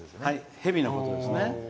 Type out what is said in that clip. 蛇のことですね。